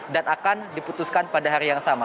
dan akan diputuskan pada hari yang sama